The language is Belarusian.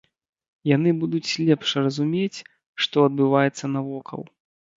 Яны будуць лепш разумець, што адбываецца навокал.